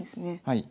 はい。